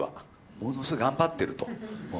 ものすごい頑張ってるともう。